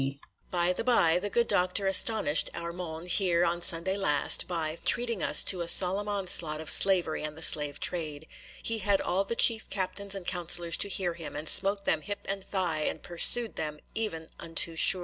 No chance here for any indiscretions, you see. 'By the by, the good Doctor astonished our monde here on Sunday last, by treating us to a solemn onslaught on slavery and the slave trade. He had all the chief captains and counsellors to hear him, and smote them hip and thigh, and pursued them even unto Shur.